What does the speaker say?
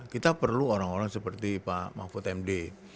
kita perlu orang orang seperti pak mahfud md